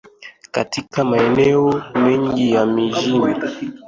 katika maeneo mengi ya mijini